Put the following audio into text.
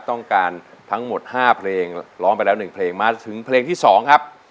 ต้องการทั้งหมด๕เพลงร้องไปแล้ว๑เพลงมาถึงเพลงที่๒ครับ